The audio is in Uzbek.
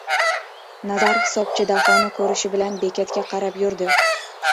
Nazar hisobchi Dahoni ko‘rishi bilan bekatga qarab yurdi.